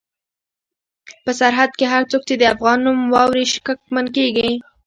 په سرحد کې هر څوک چې د افغان نوم واوري شکمن کېږي.